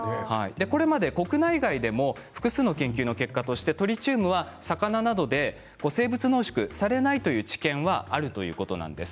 これまで国内外でも複数の研究の結果としてトリチウムは魚などで生物濃縮されないという知見があるということなんです。